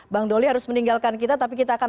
bang doli harus meninggalkan kita tapi kita akan